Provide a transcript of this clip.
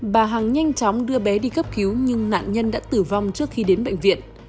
bà hằng nhanh chóng đưa bé đi cấp cứu nhưng nạn nhân đã tử vong trước khi đến bệnh viện